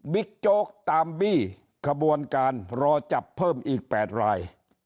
โจ๊กตามบี้ขบวนการรอจับเพิ่มอีก๘ราย